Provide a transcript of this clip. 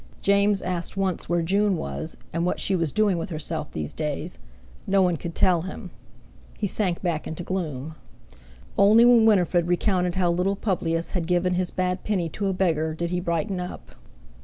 James asked once where June was, and what she was doing with herself in these days. No one could tell him. He sank back into gloom. Only when Winifred recounted how little Publius had given his bad penny to a beggar, did he brighten up.